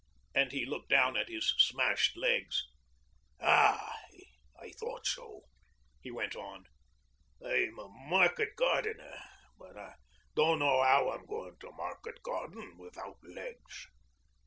And he looked down at his smashed legs. 'Ah, I thought so,' he went on. 'I'm a market gardener, but I dunno 'ow I'm goin' to market garden without legs.